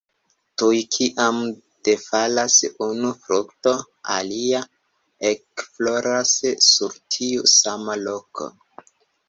Tuj kiam defalas unu frukto, alia ekfloras sur tiu sama loko.